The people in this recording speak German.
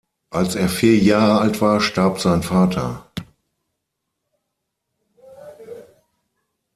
Als er vier Jahre alt war, starb sein Vater.